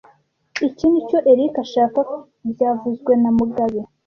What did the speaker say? Iki nicyo Eric ashaka byavuzwe na mugabe